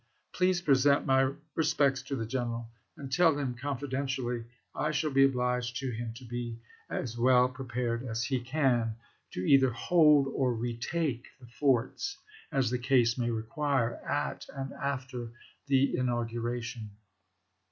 Please present my respects to the general, and tell him, confidentially, I shall be obliged to him to be as well prepared as he can to either hold or retake the forts, as the case may require, at and after the inauguration."